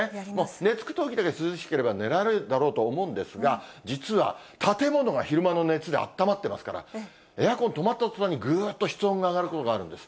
寝つくとき涼しければ寝られるだろうと思うんですが、実は建物が昼間の熱であったまっていますから、エアコン止まったとたんに、ぐーっと室温が上がることがあるんです。